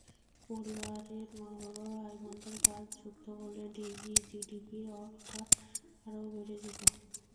পরিবারের মা-বাবা, ভাইবোনদের কাজ যুক্ত হলে জিডিপির আকার আরও বেড়ে যেত।